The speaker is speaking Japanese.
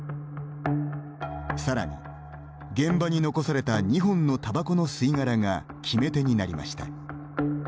さらに、現場に残された２本のたばこの吸い殻が決め手になりました。